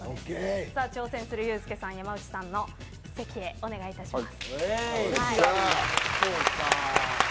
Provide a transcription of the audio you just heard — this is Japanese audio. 挑戦するユースケさんは山内さんの席へお願いします。